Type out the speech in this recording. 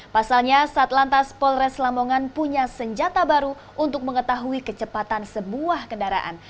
pasalnya satlantas polres lamongan punya senjata baru untuk mengetahui kecepatan sebuah kendaraan